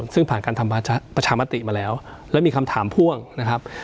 ซึ่งผ่านการทำประชามติมาแล้วแล้วมีคำถามพ่วงนะครับ